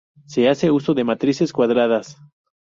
Se hace uso de matrices cuadradas.